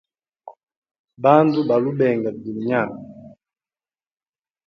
Bandu balu benga vilye nyambi.